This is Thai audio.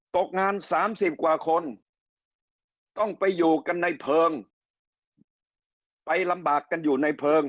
ตกงานสามสิบกว่าคนต้องไปอยู่กันในเพลิงไปลำบากกันอยู่ในเพลิง